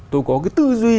tôi có cái tư duy